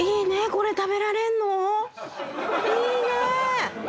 これ食べられんの⁉いいね！